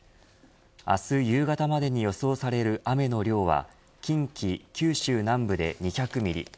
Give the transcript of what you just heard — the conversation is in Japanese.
明日夕方までに予想される雨の量は近畿、九州南部で２００ミリ